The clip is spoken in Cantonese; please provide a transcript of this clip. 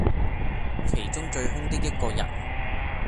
其中最兇的一個人，